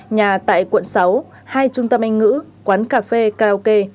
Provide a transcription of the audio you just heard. nhà tại quận sáu hai trung tâm anh ngữ quán cà phê karaoke